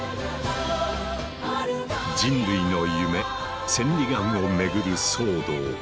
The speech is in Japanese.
人類の夢千里眼を巡る騒動。